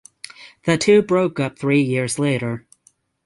The two broke up three years later.